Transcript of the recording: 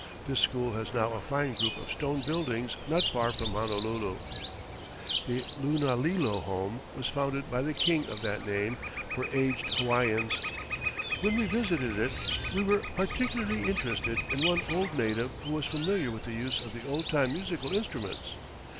This school has now a fine group of stone buildings not far from Honolulu. The Lunalilo Home was founded by the king of that name for aged Hawaiians. When we visited it, we were particularly interested in one old native who was familiar with the use of the old time musical instruments.